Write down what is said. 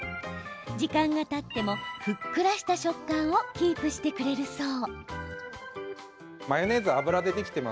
時間がたっても、ふっくらした食感をキープしてくれるそう。